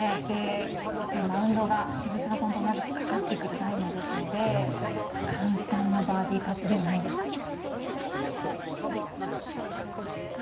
でやっぱりマウンドが澁澤さんと同じくかかってくるラインですので簡単なバーディパットではないです。